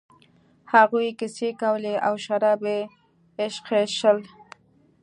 هغوی کیسې کولې او شراب یې ایشخېشل.